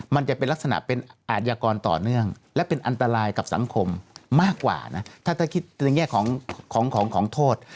มันจะเป็นลักษณะเป็นอาชญากรต่อเนื่องและเป็นอันตรายกับสังคมมากกว่านะถ้าคิดในแง่ของของโทษ